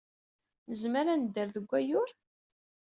Nezmer ad nedder deg Wayyur?